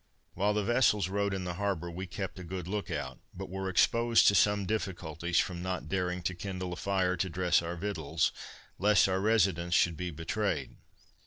While the vessels rode in the harbor, we kept a good look out, but were exposed to some difficulties, from not daring to kindle a fire to dress our victuals, lest our residence should be betrayed.